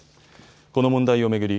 この問題を巡り